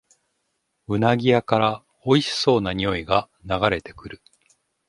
うなぎ屋からおいしそうなにおいが流れてくる